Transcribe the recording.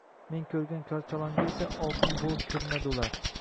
men ko‘rgan korchalonga esa — oltin bo‘lib ko‘rinadi ular.